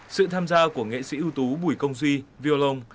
sự tham gia của nghệ sĩ ưu tú bùi công duy violon